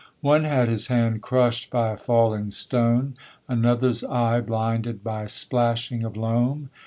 One had his hand crushed by a falling stone, another's eye blinded by splashing of loam.